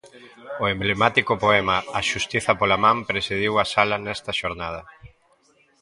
O emblemático poema "A xustiza pola man" presidiu a sala nesta xornada.